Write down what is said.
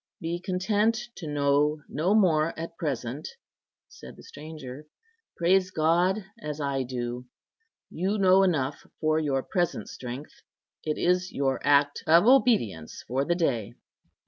"Be content to know no more at present," said the stranger, "praise God, as I do. You know enough for your present strength. It is your act of obedience for the day."